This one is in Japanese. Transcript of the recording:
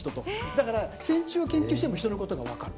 だから線虫を研究してもヒトのことがわかる。